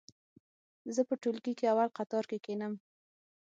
زه په ټولګي کې اول قطور کې کېنم.